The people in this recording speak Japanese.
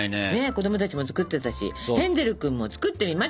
子供たちも作ってたしヘンゼル君も作ってみましょう！